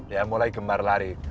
ya mulai gemar lari